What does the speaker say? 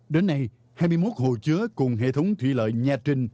đến nay hai mươi một hồ chứa cùng hệ thống thủy lợi nha trình